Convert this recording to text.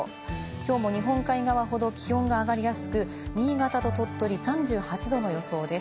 きょうも日本海側ほど気温が上がりやすく、新潟と鳥取、３８度の予想です。